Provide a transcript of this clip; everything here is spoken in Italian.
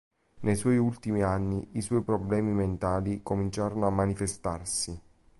Nei suoi ultimi anni, i suoi problemi mentali cominciarono a manifestarsi.